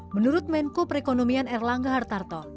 menurut menko perekonomian erlangga hartarto